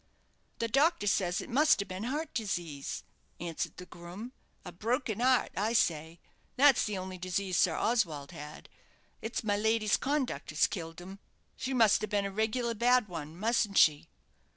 "The doctor says it must have been heart disease," answered the groom. "A broken heart, I say; that's the only disease Sir Oswald had. It's my lady's conduct has killed him. She must have been a regular bad one, mustn't she?"